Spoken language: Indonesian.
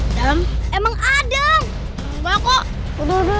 dem emang adem buka kok udah udah